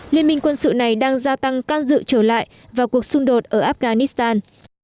liên minh quân sự này đang gia tăng can dự trở lại vào cuộc xung đột ở afghanistan